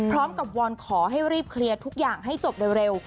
วอนขอให้รีบเคลียร์ทุกอย่างให้จบเร็ว